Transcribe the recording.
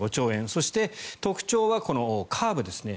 そして、特徴はカーブですね。